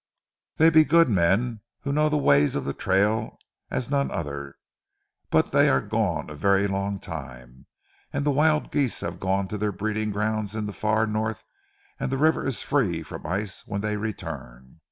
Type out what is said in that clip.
"Dey be good men, who know ze ways of ze trail as none other, but dey are gone a vaire long time, an' ze wild geeze hav' gone to their breeding grounds in ze far North, an' ze river it is free from ice, when dey return.